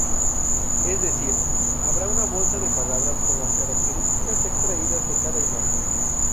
Es decir, habrá una bolsa de palabras con las características extraídas de cada imagen.